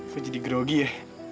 gue jadi grogi ya